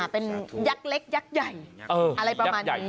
เป็นยักษ์เล็กยักษ์ใหญ่อะไรประมาณนี้